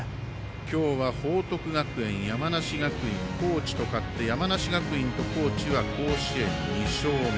今日は報徳学園、山梨学院高知と勝って山梨学院と高知は甲子園２勝目。